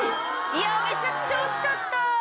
めちゃくちゃ惜しかった。